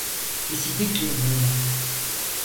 Kesinlikle eminim.